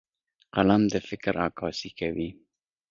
قلم د فکر عکاسي کوي